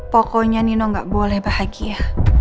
pokoknya nino nggak boleh bahagia